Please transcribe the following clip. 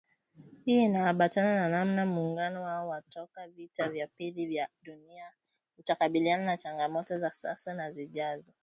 Hii inambatana na namna muungano wao wa toka vita vya pili vya dunia utakabiliana na changamoto za sasa na zijazo